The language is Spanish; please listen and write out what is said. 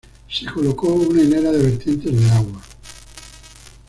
Se colocó una hilera de vertientes de agua.